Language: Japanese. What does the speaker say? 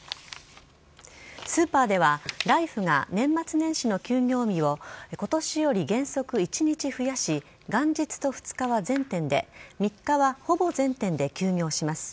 スーパーではライフが年末年始の休業日を今年より原則１日増やし元日と２日は全店で３日は、ほぼ全店で休業します。